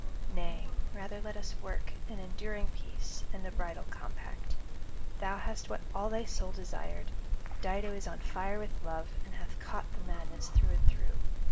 Nay, rather let us work an enduring peace and a bridal compact. Thou hast what all thy soul desired; Dido is on fire with love, and hath caught the madness through and through.